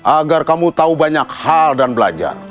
agar kamu tahu banyak hal dan belajar